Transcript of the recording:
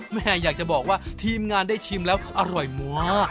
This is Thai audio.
แม่อยากจะบอกว่าทีมงานได้ชิมแล้วอร่อยมาก